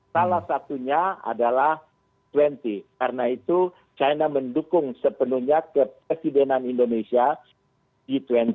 salah satunya adalah g dua puluh karena itu china mendukung sepenuhnya kepresidenan indonesia g dua puluh